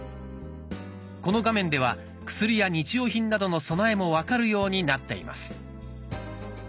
この画面では薬や日用品などの備えも分かるようになっています。